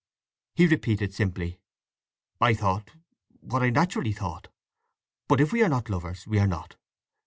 He repeated simply! "I thought—what I naturally thought. But if we are not lovers, we are not.